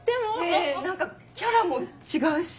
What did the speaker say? ええ何かキャラも違うし。